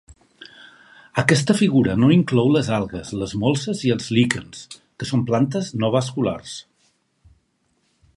Aquesta figura no inclou les algues, les molses i els líquens, que són plantes no vasculars.